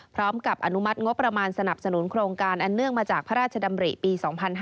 อนุมัติงบประมาณสนับสนุนโครงการอันเนื่องมาจากพระราชดำริปี๒๕๕๙